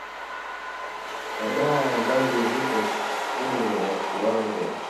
wa dawa ambazo zipo chini ya kiwango